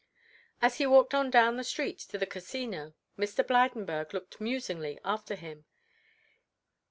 As he walked on down the road to the Casino, Mr. Blydenburg looked musingly after him.